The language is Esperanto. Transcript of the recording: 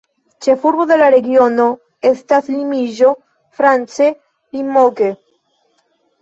Ĉefurbo de la regiono estas Limoĝo, france "Limoges".